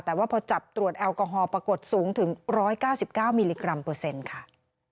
แต่ว่าพอจับตรวจแอลกอฮอล์ปรากฏสูงถึง๑๙๙มิลลิกรัมเปอร์เซ็นต์ค่ะ